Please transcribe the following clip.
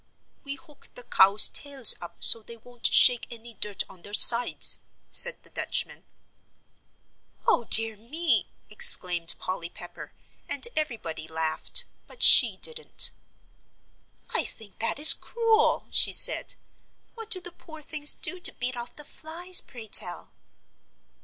"We hook the cows' tails up so they won't shake any dirt on their sides," said the Dutchman. "O dear me!" exclaimed Polly Pepper, and everybody laughed but she didn't. "I think that is cruel," she said. "What do the poor things do to beat off the flies, pray tell?"